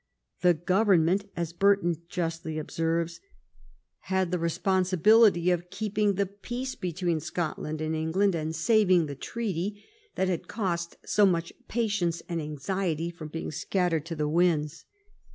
The government, as Burton justly observes, " had the responsibility of keeping the peace between Scotland and England, and saving the treaty, that had cost so much patience and anxiety, from being scattered to the winds.'